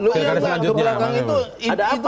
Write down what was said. ke belakang itu